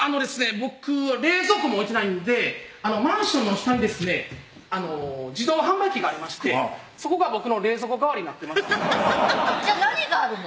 僕は冷蔵庫も置いてないんでマンションの下にですね自動販売機がありましてそこが僕の冷蔵庫代わりになってましてじゃあ何があるの？